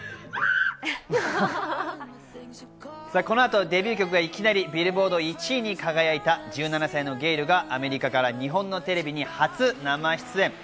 この後、デビュー曲がいきなりビルボード１位に輝いた１７歳のゲイルがアメリカから日本のテレビに初生出演。